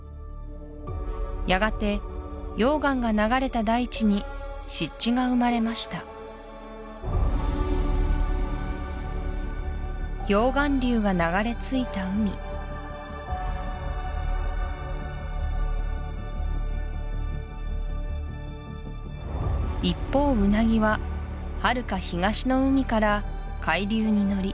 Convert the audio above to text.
やがて溶岩が流れた大地に湿地が生まれました溶岩流が流れ着いた海一方ウナギははるか東の海から海流に乗り